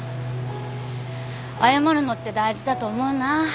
謝るのって大事だと思うな。